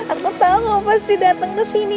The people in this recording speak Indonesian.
aku tau kamu pasti dateng kesini